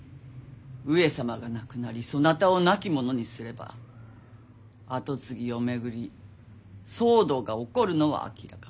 上様が亡くなりそなたを亡き者にすれば跡継ぎをめぐり騒動が起こるのは明らか。